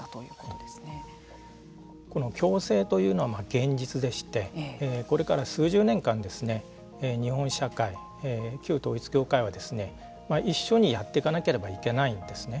この共生というのは現実でしてこれから数十年間日本社会、旧統一教会はですね一緒にやっていかなければいけないんですね。